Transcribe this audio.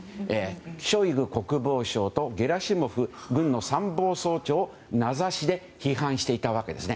ショイグ国防相とゲラシモフ軍参謀総長を名指しで批判していたわけです。